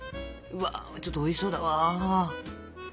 うわちょっとおいしそうだわ。